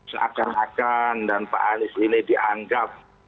seakan akan dan pak anies ini dianggap